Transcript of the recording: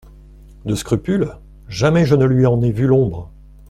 «De scrupules, jamais je ne lui en ai vu l'ombre.